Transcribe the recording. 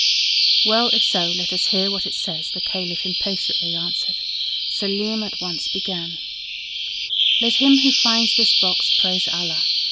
"Well, if so, let us hear what it says," the Caliph impatiently answered. Selim at once began: "Let him who finds this box praise Allah.